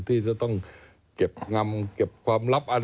ที่จะต้องเก็บงำเก็บความลับอะไร